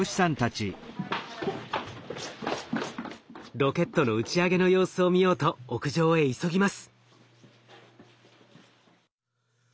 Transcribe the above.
ロケットの打ち上げの様子を見ようと屋上へ急ぎます。